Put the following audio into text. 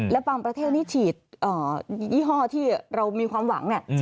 และบางประเทศนี้ฉีดยี่ห้อที่เรามีความหวังเนี่ย